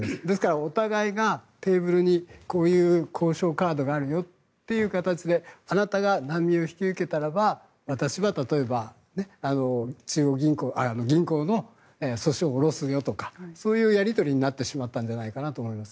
お互いがテーブルにこういう交渉カードがあるよという形であなたが難民を引き受けたら私は銀行の訴訟を下ろすよとかそういうやり取りになってしまったんじゃないかなと思います。